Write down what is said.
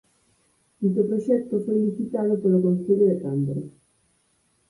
Dito proxecto foi licitado polo Concello de Cambre.